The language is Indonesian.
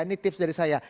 ini tips dari saya